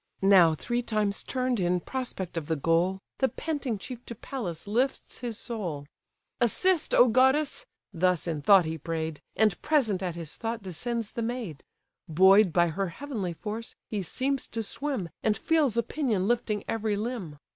Now three times turn'd in prospect of the goal, The panting chief to Pallas lifts his soul: "Assist, O goddess!" thus in thought he pray'd! And present at his thought descends the maid. Buoy'd by her heavenly force, he seems to swim, And feels a pinion lifting every limb.